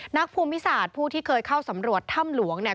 ภูมิศาสตร์ผู้ที่เคยเข้าสำรวจถ้ำหลวงเนี่ย